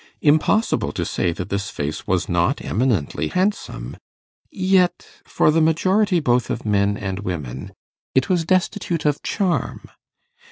Impossible to say that this face was not eminently handsome; yet, for the majority both of men and women, it was destitute of charm.